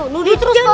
nuduh terus ke ustadz